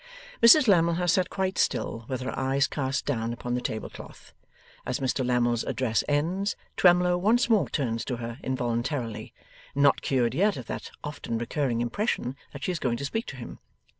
Mrs Lammle has sat quite still, with her eyes cast down upon the table cloth. As Mr Lammle's address ends, Twemlow once more turns to her involuntarily, not cured yet of that often recurring impression that she is going to speak to him.